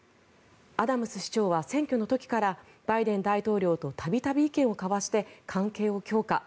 アダムス市長は選挙の時からバイデン大統領と度々意見を交わして関係を強化。